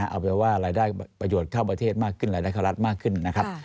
เอาเป็นว่ารายได้ประโยชน์เข้าประเทศมากขึ้นรายได้เข้ารัฐมากขึ้นนะครับ